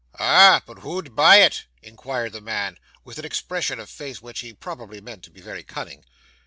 'Ah! but who'd buy it?' inquired the man, with an expression of face which he probably meant to be very cunning.